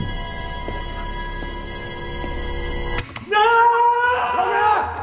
あっ！！